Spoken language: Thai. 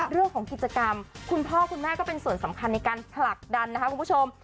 เรื่องของกิจกรรมคุณพ่อคุณแม่ก็เป็นส่วนสำคัญในการผลักดันนะคะคุณผู้ชม